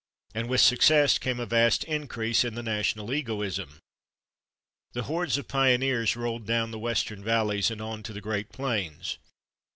And with success came a vast increase in the national egoism. The hordes of pioneers rolled down the western valleys and on to the great plains.